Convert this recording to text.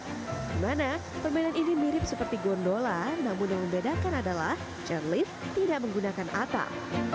di mana permainan ini mirip seperti gondola namun yang membedakan adalah chairlift tidak menggunakan atap